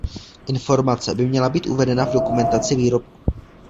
Informace by měla být uvedena v dokumentaci výrobku.